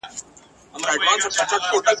ژورنالستان مهم رول لري.